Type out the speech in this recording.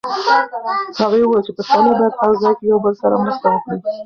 هغې وویل چې پښتانه باید هر ځای کې یو بل سره مرسته وکړي.